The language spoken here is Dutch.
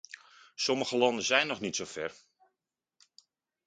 Sommige landen zijn nog niet zover.